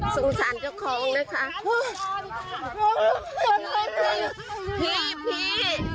สงสารเจ้าของเลยค่ะพี่พี่